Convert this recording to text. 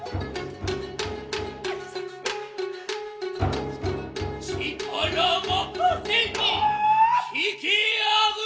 「力任せに引き上ぐれば」